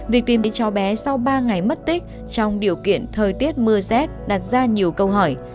việc tìm đến cháu bé sau ba ngày mất tích trong điều kiện thời tiết mưa rét đặt ra nhiều câu hỏi